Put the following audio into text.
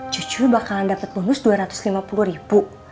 cucu bakalan dapet bonus dua ratus lima puluh ribu